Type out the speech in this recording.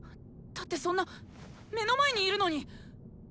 だってそんな目の前にいるのに！